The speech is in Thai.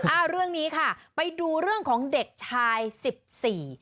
อ่าเรื่องนี้ค่ะไปดูเรื่องของเด็กชายสิบสี่